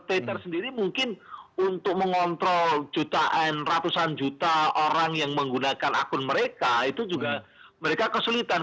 twitter sendiri mungkin untuk mengontrol jutaan ratusan juta orang yang menggunakan akun mereka itu juga mereka kesulitan